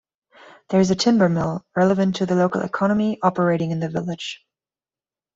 There is a timber mill, relevant to the local economy, operating in the village.